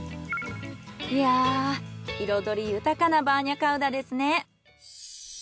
いやぁ彩り豊かなバーニャカウダですね。